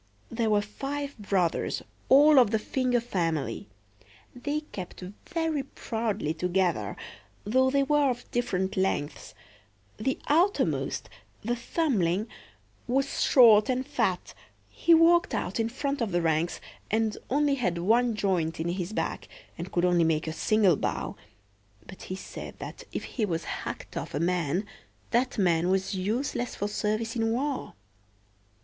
There were five brothers, all of the finger family. They kept very proudly together, though they were of different lengths: the outermost, the thumbling, was short and fat; he walked out in front of the ranks, and only had one joint in his back, and could only make a single bow; but he said that if he were hacked off a man, that man was useless for service in war.